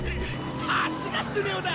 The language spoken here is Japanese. さすがスネ夫だ！